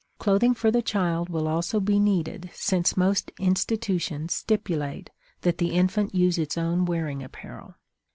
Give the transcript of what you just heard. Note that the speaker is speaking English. Clothing for the child will also be needed since most institutions stipulate that the infant use its own wearing apparel.